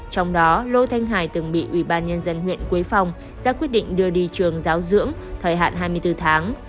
trong đó lô thanh hải từng bị ubnd huyện quế phong ra quyết định đưa đi trường giáo dưỡng thời hạn hai mươi bốn tháng